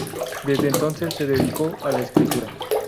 Desde entonces se dedicó a la escritura.